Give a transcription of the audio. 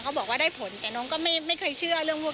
บอกว่าได้ผลแต่น้องก็ไม่เคยเชื่อเรื่องพวก